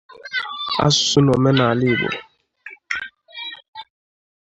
asụsụ na omenala Igbo